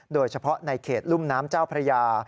โดยเฉพาะในเขตรุ่มน้ำเจ้าพระยา